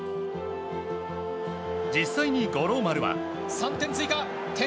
実際に五郎丸は。